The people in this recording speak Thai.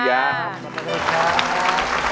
สวัสดีครับ